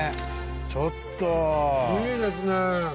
ちょっといいですね。